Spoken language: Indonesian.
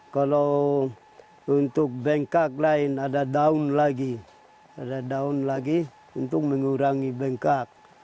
kalau untuk bengkak lain ada daun lagi ada daun lagi untuk mengurangi bengkak